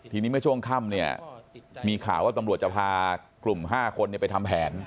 ทีนี้เมื่อช่วงค่ำเนี่ยมีข่าวว่าตำรวจจะพากลุ่ม๕คนไปทำแผน